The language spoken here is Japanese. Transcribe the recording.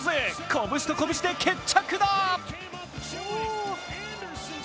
拳と拳で決着だぁ！